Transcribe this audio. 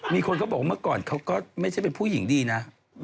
มีคนเขาบอกว่าเมื่อก่อนเขาก็ไม่ใช่เป็นผู้หญิงดีนะ